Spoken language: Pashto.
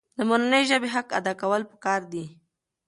د مورنۍ ژبې حق ادا کول پکار دي.